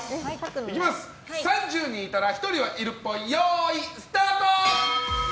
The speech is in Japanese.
３０人いたら１人はいるっぽいよーい、スタート！